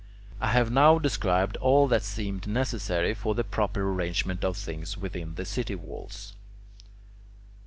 I have now described all that seemed necessary for the proper arrangement of things within the city walls.